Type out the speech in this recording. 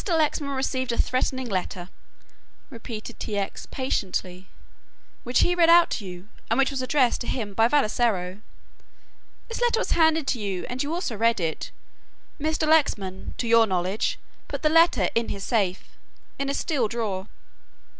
Lexman received a threatening letter," repeated T. X. patiently, "which he read out to you, and which was addressed to him by Vassalaro. This letter was handed to you and you also read it. Mr. Lexman to your knowledge put the letter in his safe in a steel drawer."